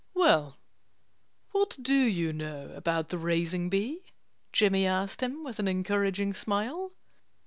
"Well, what do you know about the raising bee?" Jimmy asked him with an encouraging smile.